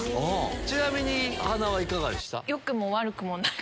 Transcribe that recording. ちなみに鼻はいかがでした？